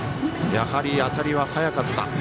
やはり当たりは速かった。